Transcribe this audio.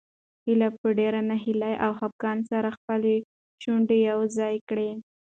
هیلې په ډېرې ناهیلۍ او خپګان سره خپلې شونډې یو ځای کړې.